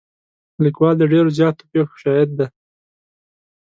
لیکوال د ډېرو زیاتو پېښو شاهد دی.